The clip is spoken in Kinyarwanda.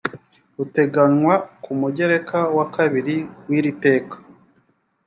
buteganywa ku mugereka wa kabiri w iri teka